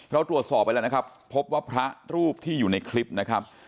เราตรวจสอบไปแล้วนะครับพบว่าพระรูปที่อยู่ในคลิปนะครับ